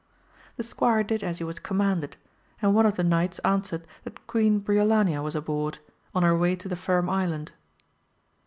The squire did as he was commanded, and one of the knights answered that Queen Briolania was aboard, on her way to the Firm Island.